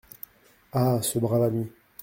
Ah ! ce brave ami !